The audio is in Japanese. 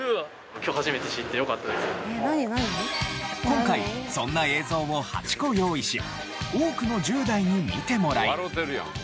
今回そんな映像を８個用意し多くの１０代に見てもらい。